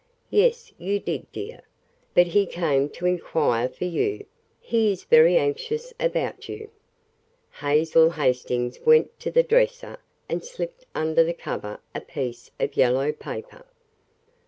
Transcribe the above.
"Yes, you did, dear. But he came to inquire for you. He is very anxious about you." Hazel Hastings went to the dresser and slipped under the cover a piece of yellow paper.